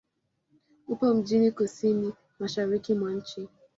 Upo mjini kusini-mashariki mwa nchi.